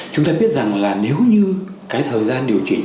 chúng ta biết rằng là nếu như cái thời gian điều trị